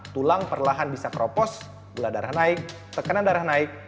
tulang perlahan bisa keropos gula darah naik tekanan darah naik